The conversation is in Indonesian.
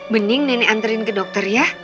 bening nenek anterin ke dokter ya